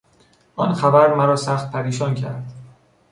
آن خبر مرا سخت پریشان کرد.